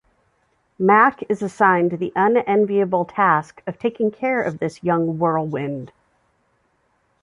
Mac is assigned the unenviable task of taking care of this young whirlwind.